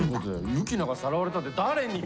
ユキナがさらわれたって誰に！？